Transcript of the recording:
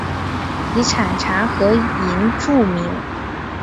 以产茶和银著名。